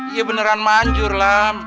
iya beneran manjur lam